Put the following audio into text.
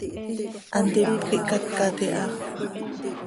Hantíp quih cacat iha.